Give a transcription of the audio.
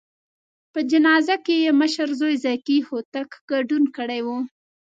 په جنازه کې یې مشر زوی ذکي هوتک ګډون کړی و.